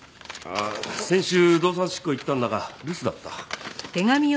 先週動産執行に行ったんだが留守だった。